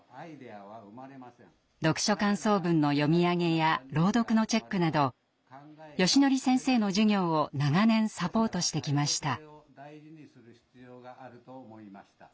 読書感想文の読み上げや朗読のチェックなどよしのり先生の授業を長年サポートしてきました。